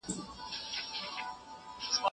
زه باید کار وکړم.